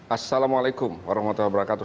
assalamualaikum warahmatullahi wabarakatuh